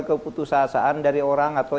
keputusasaan dari orang atau